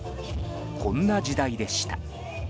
こんな時代でした。